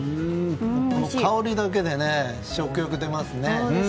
香りだけで食欲出ますね。